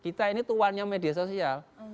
kita ini tuannya media sosial